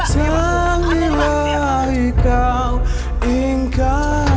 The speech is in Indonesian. sambil hari kau ingkari